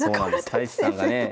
太地さんがね